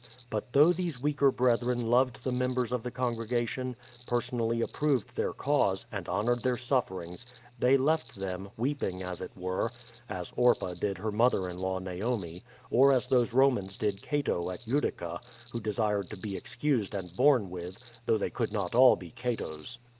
But though these weaker brethren loved the members of the congregation, personally approved their cause, and honoured their sufferings, they left them, weep ing, as it were; — as Orpah did her mother in law, Naomi; or as those Romans did Cato at Utica, who desired to be excused and borne with, though they could not all be Catos.